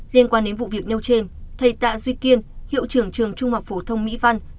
liên quan đến vụ việc nêu trên thầy tạ duy kiên hiệu trưởng trường trung học phổ thông mỹ văn